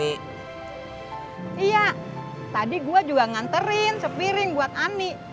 iya tadi gue juga nganterin sepiring buat ani